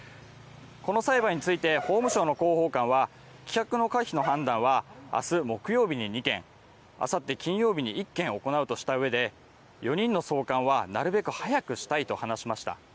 この裁判について法務省の広報官は棄却の可否の判断は、明日、木曜日に２件あさって金曜日に１件行うとしたうえで４人の送還はなるべく早くしたいと話しました。